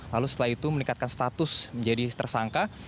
lalu setelah itu meningkatkan status menjadi tersangka